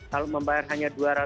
kalau membayar hanya rp dua ratus